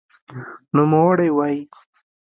نوموړی وايي